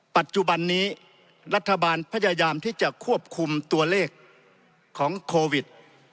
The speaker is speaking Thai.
ปัจจุบันนี้รัฐบาลพยายามที่จะควบคุมตัวเลขของโควิด